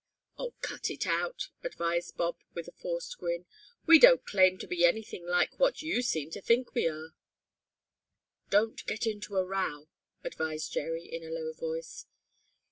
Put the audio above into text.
"Oh, cut it out," advised Bob with a forced grin. "We don't claim to be anything like what you seem to think we are." "Don't get into a row," advised Jerry in a low voice.